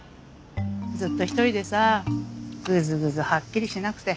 ずっと一人でさぐずぐずはっきりしなくて。